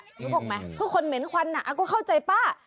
รู้หรือบอกไหมก็คนเหม็นควันอะก็เข้าใจป้า